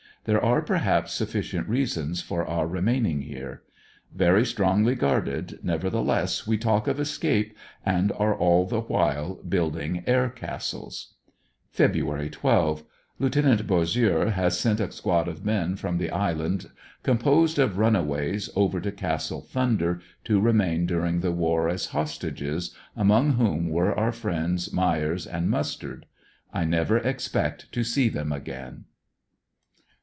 There are perhaps sufficient reasons for our remain. ng here. Very strongly guarded, nevertheless we talK: of escape and are all the while building air castles. Feb. 12. — Lieut. Bossieux has sent a squad of men from the isl and composed of runaways over to Castle Thunder to remain dur ing the war as hostages, among whom were our friends Myres and Mustard. I never expect to see them again.